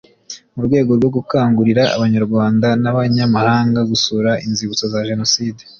mu rwego rwo gukangurira abanyarwanda n abanyamahanga gusura inzibutso za jenoside